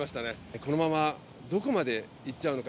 このままどこまでいっちゃうのか。